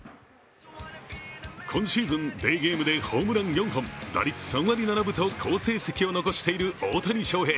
今シーズン、デーゲームでホームラン２本、打率３割７分と好成績を残している大谷翔平。